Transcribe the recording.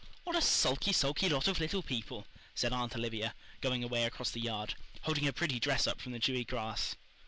"What a sulky, sulky lot of little people," said Aunt Olivia, going away across the yard, holding her pretty dress up from the dewy grass.